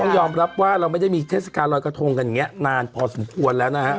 ยอมรับว่าเราไม่ได้มีเทศกาลรอยกระทงกันอย่างนี้นานพอสมควรแล้วนะฮะ